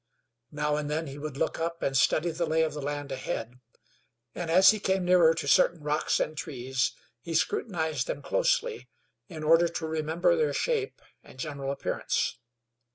Now and then he would look up and study the lay of the land ahead; and as he came nearer to certain rocks and trees he scrutinized them closely, in order to remember their shape and general appearance.